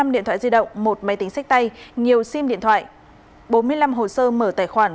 năm điện thoại di động một máy tính xách tay nhiều sim điện thoại bốn mươi năm hồ sơ mở tài khoản